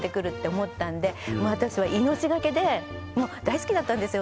私は命懸けでもう大好きだったんですよ